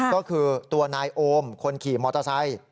ก็คือตัวนายโอมคนขี่มอเตอร์ไซค์